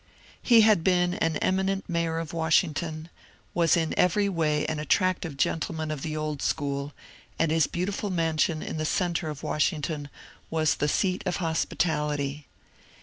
He had been an eminent mayor of Washington, was in every way an attractive gentleman of the old school, and his beau tiful mansion in the centre of Washington was the seat of hospitality.